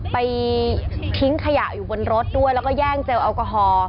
ไปทิ้งขยะอยู่บนรถด้วยแล้วก็แย่งเจลแอลกอฮอล์